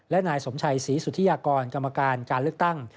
และนายสมชัยศรีสุธิยากรกรรมการการเลือกตั้ง